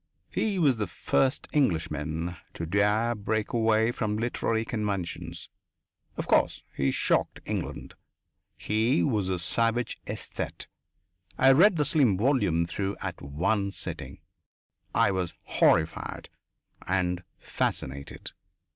He was the first Englishman to dare break away from literary conventions. Of course he shocked England. He was a savage aesthete. I read the slim volume through at one sitting; I was horrified and fascinated.